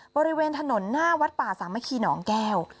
บริเวณถนนหน้าวัดป่าสามัคคีหนองแก้ว